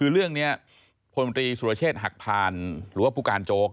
คือเรื่องนี้พลตรีสุรเชษฐ์หักพานหรือว่าผู้การโจ๊ก